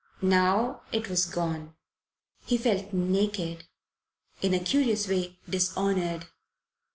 Now it was gone. He felt naked in a curious way dishonoured.